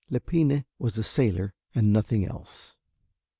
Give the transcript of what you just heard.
Lepine was a sailor and nothing else.